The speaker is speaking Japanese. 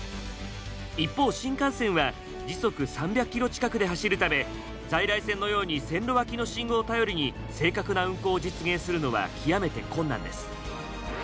一方新幹線は時速３００キロ近くで走るため在来線のように線路脇の信号を頼りに正確な運行を実現するのは極めて困難です。